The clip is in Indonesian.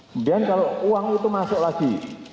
kemudian kalau uang itu masuk lagi